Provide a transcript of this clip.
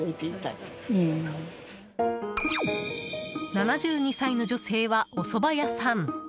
７２歳の女性は、おそば屋さん。